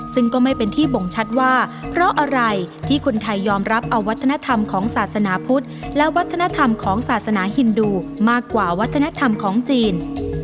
ซึ่งก็ไม่เป็นที่บ่งชัดว่าเพราะอะไรที่คนไทยยอมรับเอาวัฒนธรรมของศาสนาพุทธและวัฒนธรรมของศาสนาฮินดูมากกว่าวัฒนธรรมของจีน